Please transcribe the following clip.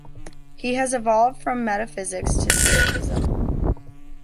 He has evolved from metaphysics to spiritism.